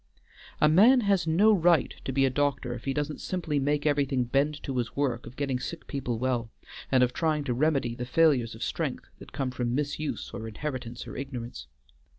A man has no right to be a doctor if he doesn't simply make everything bend to his work of getting sick people well, and of trying to remedy the failures of strength that come from misuse or inheritance or ignorance.